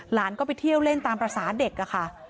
หลานก็ไปเที่ยวเล่นตามภาษาเด็กค่ะ